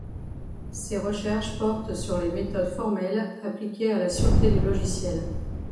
Ses recherches portent sur les méthodes formelles appliquées à la sûreté du logiciel.